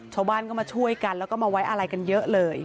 ชาวบ้านก็มาช่วยกันแล้วก็มาไว้อะไรกันเยอะเลย